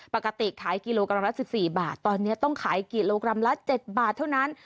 ปกติขายกิโลกรัมละ๑๔บาทตอนนี้ต้องขายกิโลกรัมละ๗บาทเท่านั้น